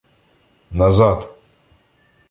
назад!